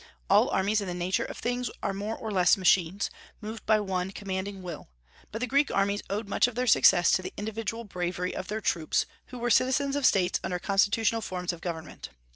All armies in the nature of things are more or less machines, moved by one commanding will; but the Greek armies owed much of their success to the individual bravery of their troops, who were citizens of States under constitutional forms of government.